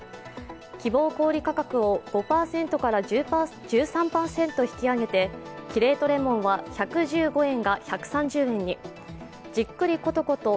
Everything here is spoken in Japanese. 希望小売価格を５％から１３％引き上げてキレートレモンは１１５円が１３０円に、じっくりコトコト